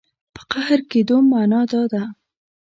په قهر کېدو معنا دا ده.